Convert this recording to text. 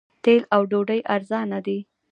تیل او ډوډۍ ارزانه دي.